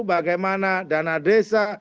bagaimana dana desa